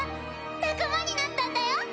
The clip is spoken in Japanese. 仲間になったんだよ！